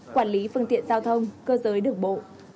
quản lý phương tiện giao thông cơ giới đường bộ